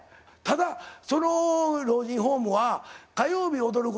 ただその老人ホームは火曜日「踊る！